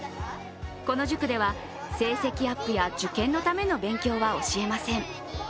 この塾では成績アップや受験のための勉強は教えません。